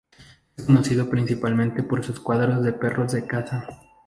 Es conocido principalmente por sus cuadros de perros de caza.